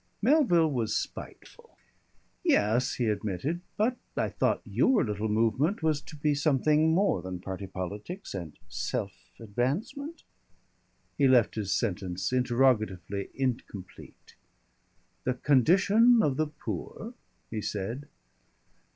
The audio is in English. Melville was spiteful. "Yes," he admitted, "but I thought your little movement was to be something more than party politics and self advancement ?" He left his sentence interrogatively incomplete. "The condition of the poor," he said.